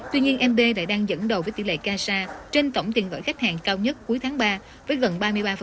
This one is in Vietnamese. tuy nhiên mb lại đang dẫn đầu với tỷ lệ casa trên tổng tiền gửi khách hàng cao nhất cuối tháng ba với gần ba mươi ba